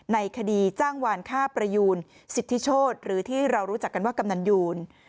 ในคดีจ้างวานฆ่าประยูนสิทธิโชธหรือที่เรารู้จักกันว่ากำนันยูน